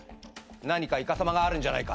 何かいかさまがあるんじゃないか？